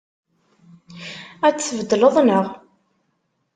Ad t-tbeddleḍ, naɣ?